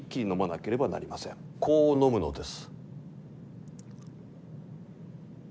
こう飲むのです。